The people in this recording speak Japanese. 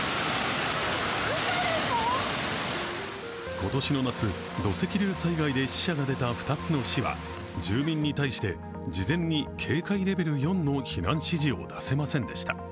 今年の夏、土石流災害で死者が出た２つの市は住民に対して、事前に警戒レベル４の避難指示を出せませんでした。